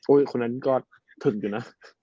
คนนั้นก็ถึงอยู่นะ